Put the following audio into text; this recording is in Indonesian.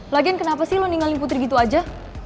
lagian kenapa sih lo ninggalin putri gitu aja